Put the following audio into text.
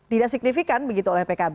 tidak signifikan begitu oleh pkb